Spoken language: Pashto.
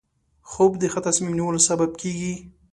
خوب د ښه تصمیم نیولو سبب کېږي